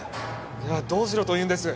じゃあどうしろと言うんです？